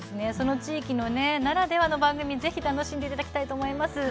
地域ならではの番組をぜひ楽しんでいただきたいと思います。